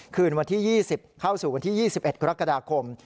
คืนวันที่๒๐เข้าสู่วันที่๒๑กรกฎาคม